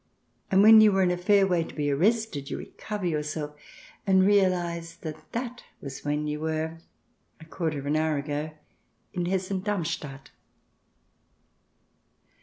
and when you are in a fair way to be arrested you recover your self, and realize that that was when you were, a quarter of an hour ago, in Hessen Darmstadt.